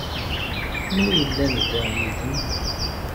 Anwa yellan da yid-m?